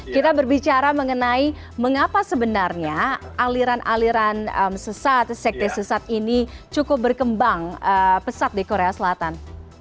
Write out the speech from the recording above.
kita berbicara mengenai mengapa sebenarnya aliran aliran sesat sekte sesat ini cukup berkembang pesat di korea selatan